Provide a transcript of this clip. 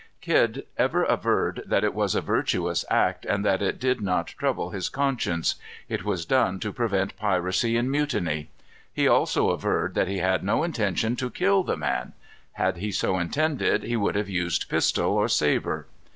Kidd ever averred that it was a virtuous act, and that it did not trouble his conscience. It was done to prevent piracy and mutiny. He also averred that he had no intention to kill the man. Had he so intended he would have used pistol or sabre.